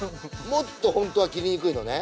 もっとホントは切りにくいのね？